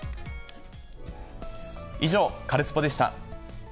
以上、カルスポっ！でした。